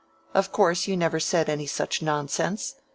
Of course you never said any such nonsense.